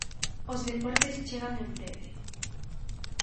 Os deportes chegan en breve.